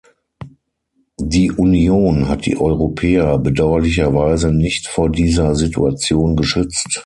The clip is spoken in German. Die Union hat die Europäer bedauerlicherweise nicht vor dieser Situation geschützt.